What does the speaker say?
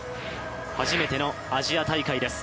初めてのアジア大会です。